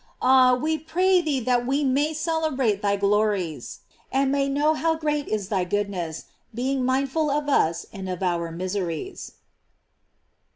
Ah, we pray thee that we may 328 GLORIES OF MARY. celebrate thy glories, and may know how great is thy goodness, being mindful of us and of our miseries.